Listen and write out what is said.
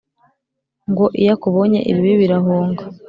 ngo iyo akubonye ibibi birahunga